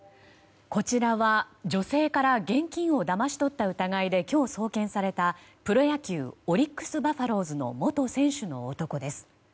こちらは女性から現金をだまし取った疑いで今日、送検された、プロ野球オリックス・バファローズの元選手の男です。